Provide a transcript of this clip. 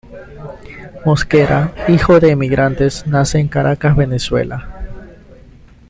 Mosquera, hijo de emigrantes, nace en Caracas, Venezuela.